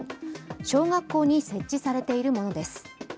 小学校に設置されているものです。